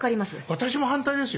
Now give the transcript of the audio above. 私も反対ですよ。